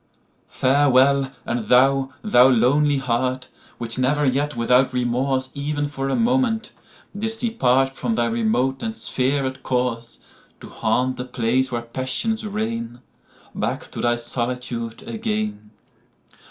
Farewell! and thou, thou lonely heart, Which never yet without remorseEven for a moment did'st departFrom thy remote and spherèd courseTo haunt the place where passions reign, Back to thy solitude again!